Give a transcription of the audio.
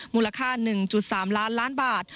มูลค่า๑๓ล้านบาท